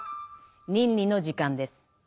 倫理の時間です。